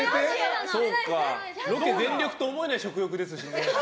ロケ全力と思えない食欲ですもんね。